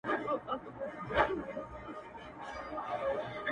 په زړه سخت په خوى ظالم لکه شداد وو!.